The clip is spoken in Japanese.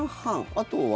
あとは？